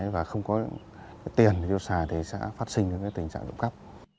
và không có tiền thì trộm cắp sẽ phát sinh tình trạng trộm cắp